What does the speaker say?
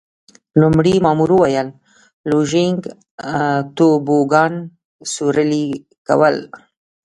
لومړي مامور وویل: لوژینګ، توبوګان سورلي کول.